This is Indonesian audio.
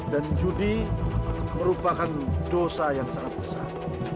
dan judi merupakan dosa yang sangat besar